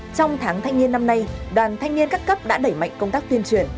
trong tháng thanh niên năm nay đoàn thanh niên các cấp đã đẩy mạnh công tác tuyên truyền